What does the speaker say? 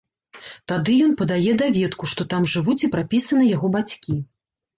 Тады ён падае даведку, што там жывуць і прапісаны яго бацькі.